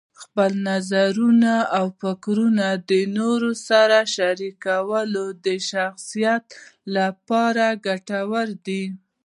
خپل نظرونه او فکرونه د نورو سره شریکول د شخصیت لپاره ګټور دي.